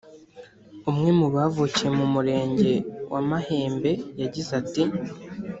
umwe mu bavukiye mu murenge wa Mahembe yagize ati